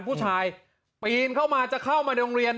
ผู้ชายปีนเข้ามาจะเข้ามาในโรงเรียน